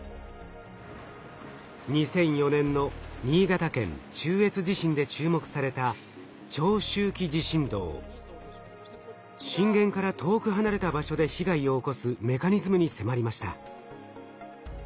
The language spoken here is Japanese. ２００４年の新潟県中越地震で注目された震源から遠く離れた場所で被害を起こすメカニズムに迫りました。